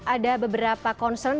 ada beberapa concern